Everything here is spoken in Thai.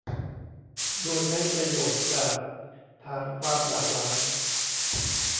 โดยใช้ประโยชน์จากฐานความหลากหลาย